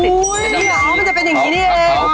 โอ้โอ้มันจะเป็นอย่างนี้ด้วย